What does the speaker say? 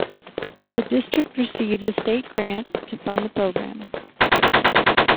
The District receives a state grant to fund the program.